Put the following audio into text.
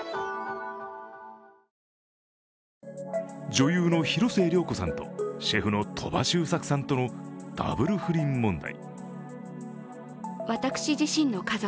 女優の広末涼子さんとシェフの鳥羽周作さんとのダブル不倫問題。